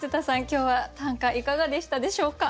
今日は短歌いかがでしたでしょうか？